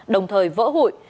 đồng thời vỡ hụi